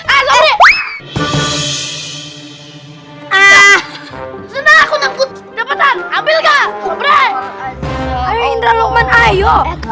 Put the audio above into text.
ah ah ah aku nangkut dapatan ambil gak berani ayo indra luqman ayo